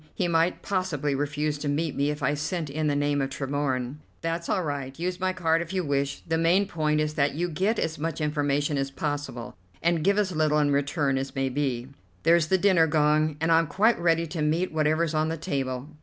He might possibly refuse to meet me if I sent in the name of Tremorne." "That's all right. Use my card if you wish. The main point is that you get as much information as possible, and give as little in return as may be. There's the dinner gong, and I'm quite ready to meet whatever's on the table.